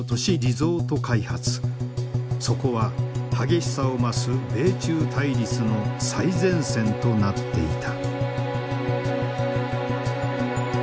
そこは激しさを増す米中対立の最前線となっていた。